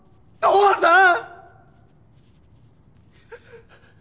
父さん！